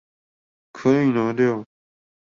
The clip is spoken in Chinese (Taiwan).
可以拿掉